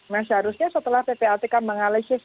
nah seharusnya setelah ppatk menganalisis